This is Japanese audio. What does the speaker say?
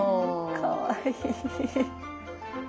かわいい。